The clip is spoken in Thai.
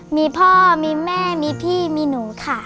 มีพ่อมีแม่มีพี่มีหนูค่ะ